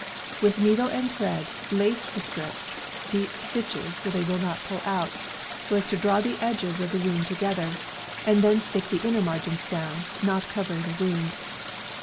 With needle and thread lace the strips (deep stitches, so they'll not pull out) so as to draw the edges of the wound together, and then stick the inner margins down, not covering the wound.